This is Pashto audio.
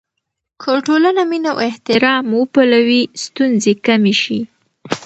که ټولنه مینه او احترام وپلوي، ستونزې کمې شي.